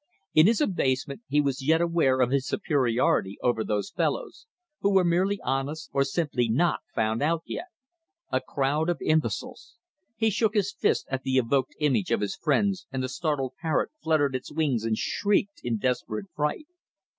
In his abasement he was yet aware of his superiority over those fellows, who were merely honest or simply not found out yet. A crowd of imbeciles! He shook his fist at the evoked image of his friends, and the startled parrot fluttered its wings and shrieked in desperate fright.